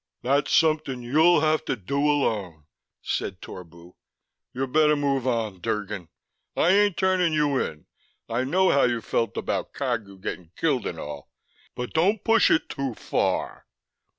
"That's something you'll have to do alone," said Torbu. "You better move on, Drgon. I ain't turnin' you in; I know how you felt about Cagu gettin' killed and all but don't push it too far."